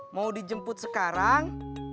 mau dijemput sekarang